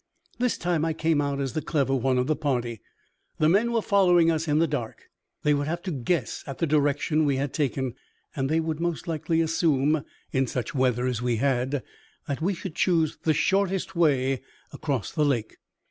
This time I came out as the clever one of the party. The men were following us in the dark; they would have to guess at the direction we had taken, and they would most likely assume (in such weather as we had) that we should choose the shortest way across the lake.